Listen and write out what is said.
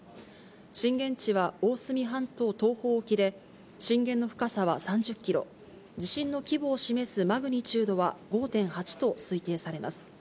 震源地は大隅半島東方沖で、震源の深さは３０キロ、地震の規模を示すマグニチュードは５．８と推定されます。